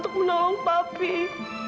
jika kamustudy dari awal independence